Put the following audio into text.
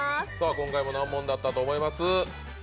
今回も難問だったと思います。